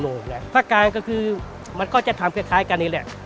ภาคกลางก็คือมันก็จะทำคล้ายกันนี่แหละ